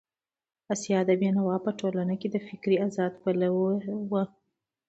استاد بينوا په ټولنه کي د فکري ازادۍ پلوی و.